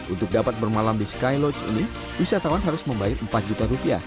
untuk dapat bermalam di skyloge ini wisatawan harus membayar empat juta rupiah